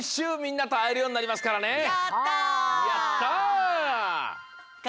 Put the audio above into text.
うみんなとあえるようになりますからね。